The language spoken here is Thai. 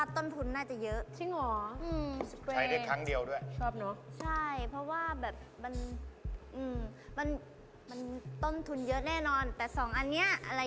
พอมาจัดปาร์ตี้ข้างในเราเลยค่ะ